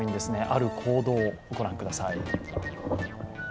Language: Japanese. ある行動、御覧ください。